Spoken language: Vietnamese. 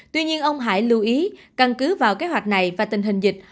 tuy nhiên ông hải lưu ý căn cứ vào kế hoạch này và tình hình dịch